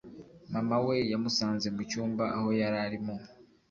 mama we yamusanze mu cyumba aho yari arimo